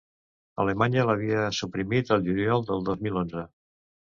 Alemanya l’havia suprimit el juliol del dos mil onze.